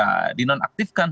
diterima oleh politik anies